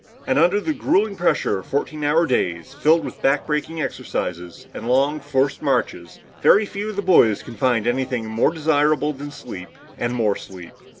And under the grueling pressure of fourteen hour days, filled with backbreaking exercises and long forced marches, very few of the boys can find anything more desirable than sleep and more sleep.